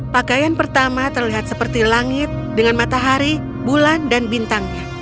pakaian pertama terlihat seperti langit dengan matahari bulan dan bintangnya